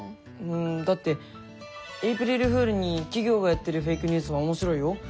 うんだってエイプリルフールに企業がやってるフェイクニュースも面白いよ。